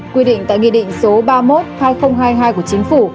quy định tại nghị định số ba mươi một hai nghìn hai mươi hai của chính phủ